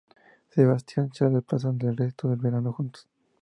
Sebastian y Charles pasan el resto del verano juntos.